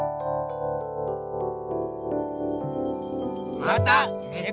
またねこ